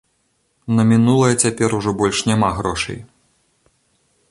На мінулае цяпер ужо больш няма грошай.